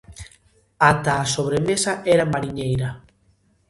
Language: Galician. Ata a sobremesa era mariñeira.